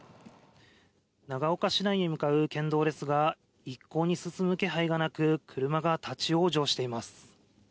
長岡市内に向かう県道ですが一向に進む気配がなく車が立ち往生しています。